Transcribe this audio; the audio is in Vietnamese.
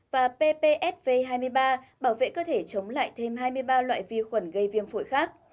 và ppsv hai mươi ba bảo vệ cơ thể chống lại thêm hai mươi ba loại vi khuẩn gây viêm phổi khác